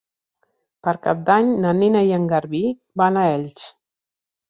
Per Cap d'Any na Nina i en Garbí van a Elx.